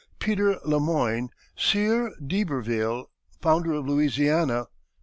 PETER LE MOYNE, SIEUR D'IBERVILLE, FOUNDER OF LOUISIANA.